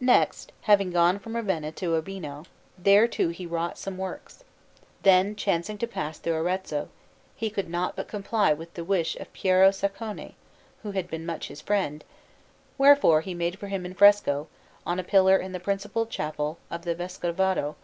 Next, having gone from Ravenna to Urbino, there too he wrought some works. Then, chancing to pass through Arezzo, he could not but comply with the wish of Piero Saccone, who had been much his friend; wherefore he made for him in fresco, on a pillar in the principal chapel of the Vescovado, a S.